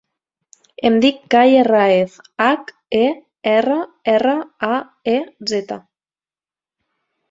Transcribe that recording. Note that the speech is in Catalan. Em dic Kai Herraez: hac, e, erra, erra, a, e, zeta.